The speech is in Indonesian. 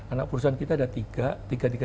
anak perusahaan kita ada tiga tiga